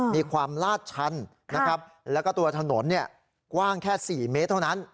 มีความลาดชันนะครับแล้วก็ตัวถนนกว้างแค่๔เมตรเท่านั้น